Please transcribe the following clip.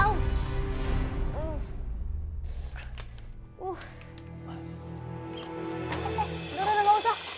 udah udah gak usah